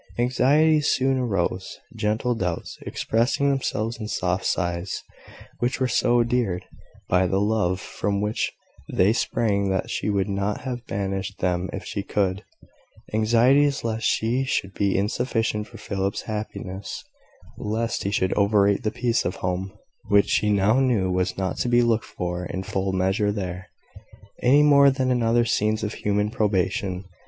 Anxieties soon arose gentle doubts expressing themselves in soft sighs, which were so endeared by the love from which they sprang that she would not have banished them if she could anxieties lest she should be insufficient for Philip's happiness, lest he should overrate the peace of home, which she now knew was not to be looked for in full measure there, any more than in other scenes of human probation.